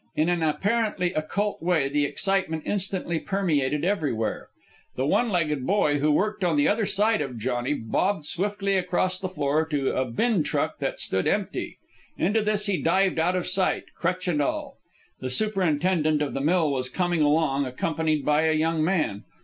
In an apparently occult way the excitement instantly permeated everywhere. The one legged boy who worked on the other side of Johnny bobbed swiftly across the floor to a bin truck that stood empty. Into this he dived out of sight, crutch and all. The superintendent of the mill was coming along, accompanied by a young man.